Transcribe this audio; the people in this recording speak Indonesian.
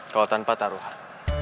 kalo tanpa taruhan